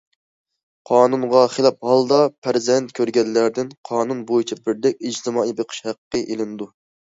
قانۇنغا خىلاپ ھالدا پەرزەنت كۆرگەنلەردىن قانۇن بويىچە بىردەك ئىجتىمائىي بېقىش ھەققى ئېلىنىدۇ.